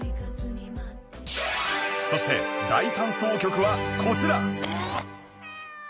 そして第３走曲はこちら